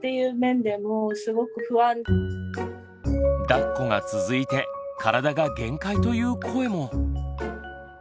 だっこが続いて体が限界という声も。